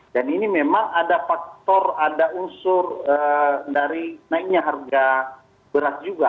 dan ini memang ada faktor ada unsur dari naiknya harga beras juga